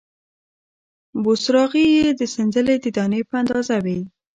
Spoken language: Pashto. بوسراغې یې د سنځلې د دانې په اندازه وې،